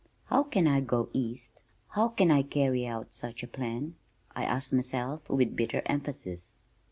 "How can I go east? How can I carry out such a plan?" I asked myself with bitter emphasis.